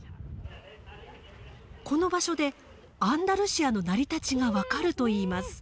この場所でアンダルシアの成り立ちが分かるといいます。